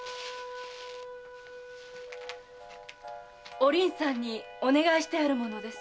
お凛さんにお願いしてある者です。